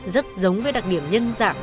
rất giống với đặc điểm nhân dạng